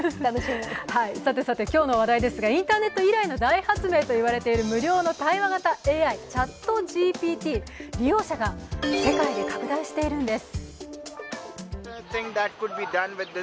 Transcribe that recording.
さてさて今日の話題ですがインターネット以来の大発明といわれている無料の対話型ＡＩ、ＣｈａｔＧＰＴ、利用者が世界で拡大しているんです。